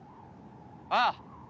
ああ。